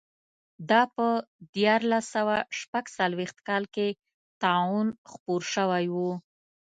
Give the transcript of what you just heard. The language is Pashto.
دا په دیارلس سوه شپږ څلوېښت کال کې طاعون خپور شوی و.